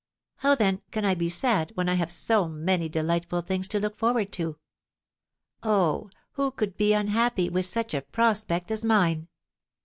How, then, can I be sad when I have so many delightful things to look forward to? Oh, who could be unhappy, with such a prospect as mine?